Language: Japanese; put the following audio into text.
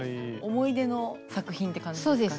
思い出の作品って感じですかね？